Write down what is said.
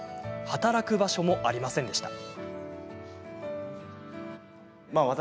働く場所もありませんでした。